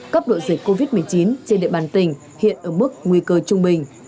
cấp độ dịch covid một mươi chín trên địa bàn tỉnh hiện ở mức nguy cơ trung bình